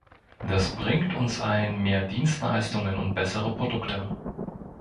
Das bringt uns allen mehr Dienstleistungen und bessere Produkte.